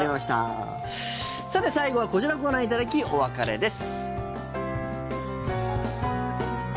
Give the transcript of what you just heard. さて、最後はこちらをご覧いただきお別れです。